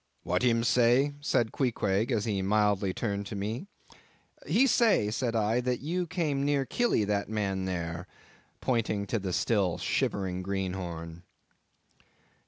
"What him say?" said Queequeg, as he mildly turned to me. "He say," said I, "that you came near kill e that man there," pointing to the still shivering greenhorn.